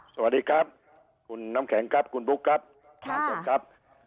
สวัสดีครับคุณน้ำแข็งครับคุณบุ๊คครับ